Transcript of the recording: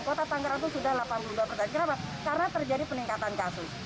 kota tangerang itu sudah delapan puluh dua persen kenapa karena terjadi peningkatan kasus